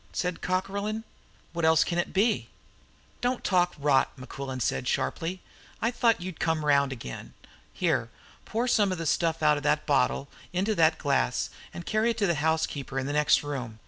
said Cockerlyne. "What else can it be?" "Don't talk rot!" said Mequillen sharply. "I thought you'd come round again. Here, pour some of the stuff out of that bottle into that glass, and carry it to the housekeeper in the next room.